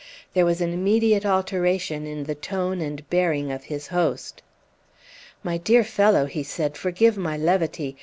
There was an immediate alteration in the tone and bearing of his host. "My dear fellow," he said, "forgive my levity.